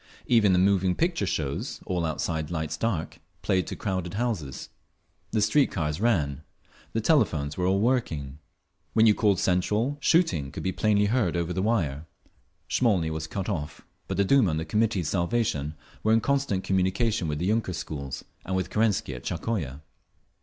Even the moving picture shows, all outside lights dark, played to crowded houses. The street cars ran. The telephones were all working; when you called Central, shooting could be plainly heard over the wire…. Smolny was cut off, but the Duma and the Committee for Salvation were in constant communication with all the yunker schools and with Kerensky at Tsarskoye.